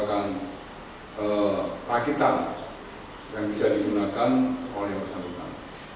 ini bukan rakitan yang bisa digunakan oleh bersambungkan